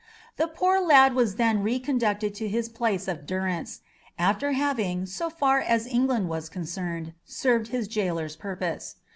The poor lad was then re conducted to his place of durance, after having, so far as England was concerned, served his jailer's purpose.